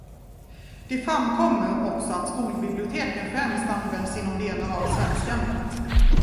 Det framkommer också att skolbiblioteken främst används inom delar av svenskämnet.